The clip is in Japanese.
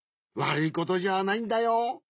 わるいことじゃないんだよ。